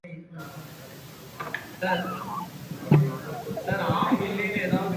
கணவன் கலவி செய்வான், முன்போல் இன்பம் துய்ப்பான், ஆனால் குழந்தை மட்டும் பிறக்காது.